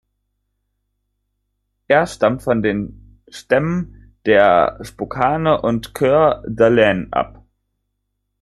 Er stammt von den Stämmen der Spokane und Coeur d'Alene ab.